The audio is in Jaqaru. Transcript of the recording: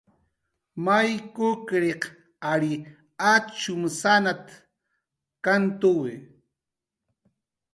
"May kukriq ary achumsanat"" kantuwi"